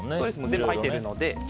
全部入ってるので。